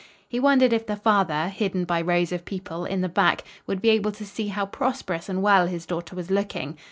He wondered if the father, hidden by rows of people, in the back, would be able to see how prosperous and well his daughter was looking.